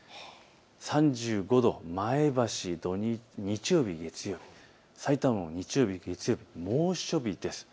３５度、前橋、日曜日、月曜日、さいたまも日曜日、月曜日、猛暑日です。